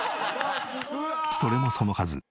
それもそのはず。